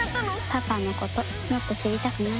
パパのこともっと知りたくない？